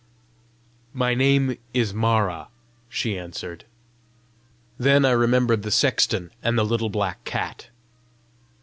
"My name is Mara," she answered. Then I remembered the sexton and the little black cat.